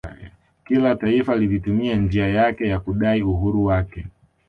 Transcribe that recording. Kila taifa lilitumia njia yake ya kudai uhuru wake